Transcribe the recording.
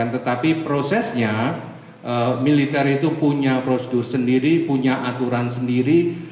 tetapi prosesnya militer itu punya prosedur sendiri punya aturan sendiri